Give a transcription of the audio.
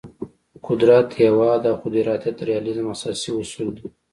قدرت، هیواد او خود ارادیت د ریالیزم اساسي اصول دي.